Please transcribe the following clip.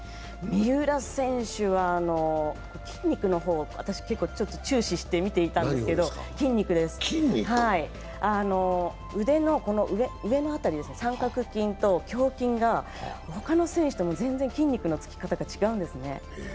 三浦選手は筋肉を私、結構注視して見ていたんですけど、腕の上の辺り、三角筋と胸筋が他の選手と全然筋肉のつき方が違うんですね。